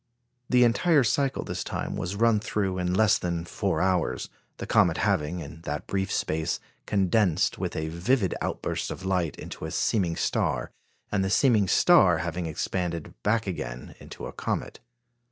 The entire cycle this time was run through in less than four hours the comet having, in that brief space, condensed, with a vivid outburst of light, into a seeming star, and the seeming star having expanded back again into a comet.